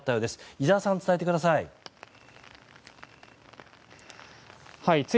井澤さん、伝えてください。